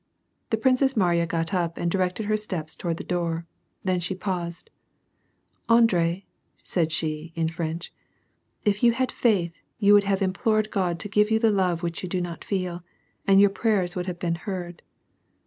The Princess Mariya got up and directed her steps toward the door, then she paused, — "Andre," said she, in French, "if you had faith, you would have implored God to give you the love which you do not feel, and your prayer would have boon heard."